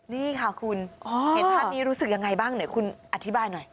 นี่ค่ะคุณเห็นภาพนี้รู้สึกยังไงบ้างไหนคุณอธิบายหน่อย